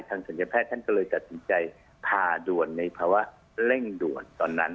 ทางศัลยแพทย์ก็เลยตัดสินใจภาวะด่วนในภาวะเร่งด่วนตอนนั้น